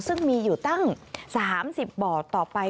ซึ่งมีอยู่ตั้ง๓๐บ่อต่อไป